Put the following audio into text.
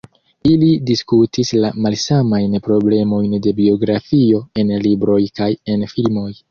Ili diskutis la malsamajn problemojn de biografio en libroj kaj en filmoj.